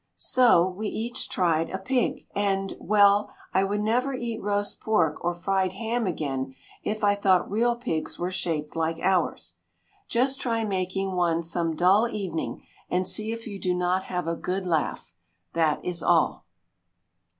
So we each tried a pig, and well, I would never eat roast pork or fried ham again if I thought real pigs were shaped like ours. Just try making one some dull evening, and see if you do not have a good laugh, that is all.